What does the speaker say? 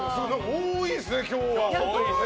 多いですね、今日は特に。